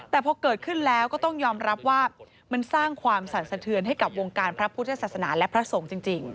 แต่พอเกิดขึ้นแล้วก็ต้องยอมรับว่ามันสร้างความสั่นสะเทือนให้กับวงการพระพุทธศาสนาและพระสงฆ์จริง